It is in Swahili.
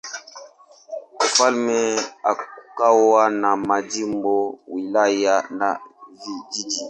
Ufalme ukawa na majimbo, wilaya na vijiji.